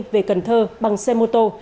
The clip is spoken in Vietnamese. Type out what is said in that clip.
về cần thơ bằng xe mô tô